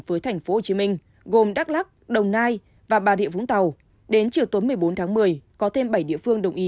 với tp hcm gồm đắk lắc đồng nai và bà rịa vũng tàu đến chiều tối một mươi bốn tháng một mươi có thêm bảy địa phương đồng ý